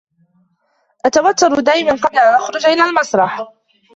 أتوتر دائما قبل أن أخرج إلى المسرح.